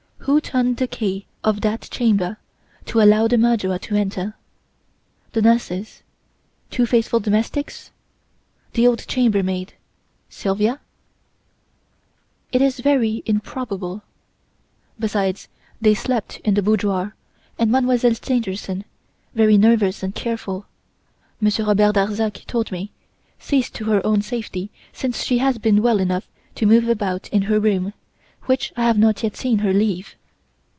Who turned the key of that chamber to allow the murderer to enter? The nurses, two faithful domestics? The old chambermaid, Sylvia? It is very improbable. Besides, they slept in the boudoir, and Mademoiselle Stangerson, very nervous and careful, Monsieur Robert Darzac told me, sees to her own safety since she has been well enough to move about in her room, which I have not yet seen her leave.